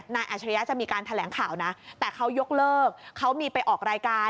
อาชริยะจะมีการแถลงข่าวนะแต่เขายกเลิกเขามีไปออกรายการ